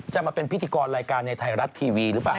จะมาเป็นพิธีกรรายการในไทยรัฐทีวีหรือเปล่า